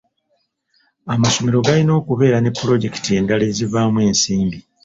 Amasomero galina okubeera ne pulojekiti endala ezivaamu ensimbi.